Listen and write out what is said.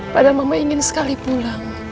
pada mama ingin sekali pulang